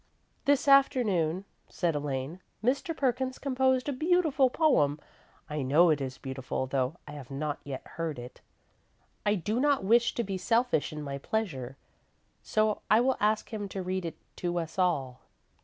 "This afternoon," said Elaine, "Mr. Perkins composed a beautiful poem. I know it is beautiful, though I have not yet heard it. I do not wish to be selfish in my pleasure, so I will ask him to read it to us all."